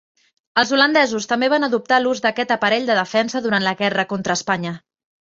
Els holandesos també van adoptar l'ús d'aquest aparell de defensa durant la guerra contra Espanya.